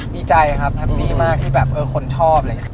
ดีใจครับแฮปปี้มากที่แบบเออคนชอบอะไรอย่างนี้